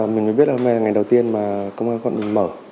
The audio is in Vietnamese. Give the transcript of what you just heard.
mình mới biết là hôm nay là ngày đầu tiên mà công an quận mở